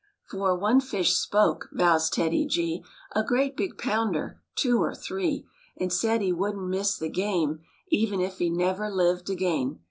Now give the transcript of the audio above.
For one fish spoke, vows TEDDY G, A great big pounder, two or three, And said he wouldn't miss the game Even if he never lived again.